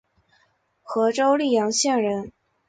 和州历阳县人。